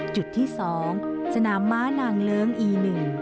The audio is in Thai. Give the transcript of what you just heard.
จุดที่๒สนามม้านางเลิ้งอี๑